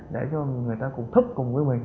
để cho người ta cùng thức cùng với mình